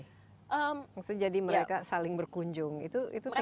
maksudnya jadi mereka saling berkunjung itu terjadi